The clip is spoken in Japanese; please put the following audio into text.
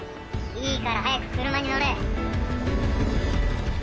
いいから早く車に乗れ。